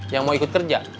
yang mau ikut kerja